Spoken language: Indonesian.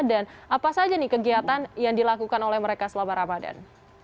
dan apa saja nih kegiatan yang dilakukan oleh mereka selama ramadan